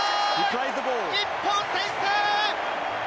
日本先制。